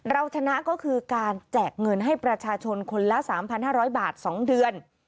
เราชนะก็คือการแจกเงินให้ประชาชนคนละ๓๕๐๐บาท๒เดือน